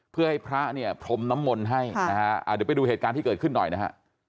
เพื่อให้พระเนี่ยพรมน้ำมนต์ให้นะฮะเดี๋ยวไปดูเหตุการณ์ที่เกิดขึ้นหน่อยนะฮะ